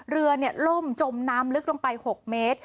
เรือล่มจมน้ำลึกลงไป๖เมตร